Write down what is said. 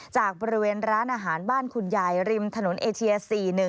จากบริเวณร้านอาหารบ้านคุณยายริมถนนเอเชีย๔๑